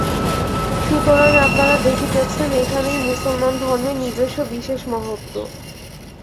সুতরাং আপনারা দেখিতেছেন এইখানেই মুসলমান ধর্মের নিজস্ব বিশেষ মহত্ত্ব।